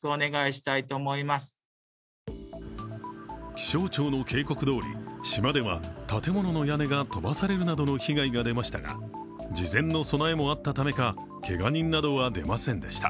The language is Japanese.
気象庁の警告どおり、島では建物の屋根が飛ばされるなどの被害が出ましたが事前の備えもあったためかけが人などは出ませんでした。